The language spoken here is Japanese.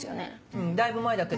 うんだいぶ前だけど。